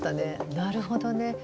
なるほどね。